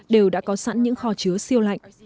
đều đã có sẵn những kho chứa siêu lạnh